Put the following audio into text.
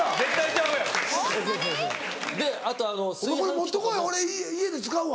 これ持ってこい俺家で使うわ。